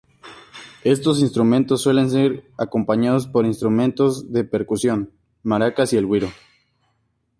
Estos instrumentos suelen ser acompañados por instrumentos de percusión: maracas y el güiro.